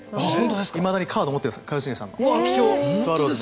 いまだにカードを持っているんです。